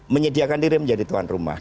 menyediakan diri menjadi tuan rumah